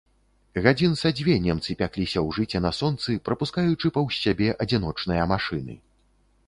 Гадзін са дзве немцы пякліся ў жыце на сонцы, прапускаючы паўз сябе адзіночныя машыны.